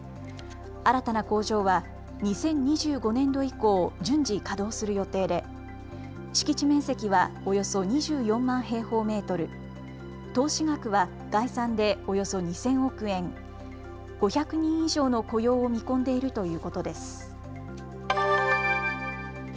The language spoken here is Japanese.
新たな工場は２０２５年度以降、順次、稼働する予定で敷地面積はおよそ２４万平方メートル、投資額は概算でおよそ２０００億円、５００人以上の雇用を見込んでいるということです。